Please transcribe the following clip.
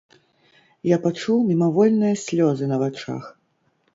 Я пачуў мімавольныя слёзы на вачах.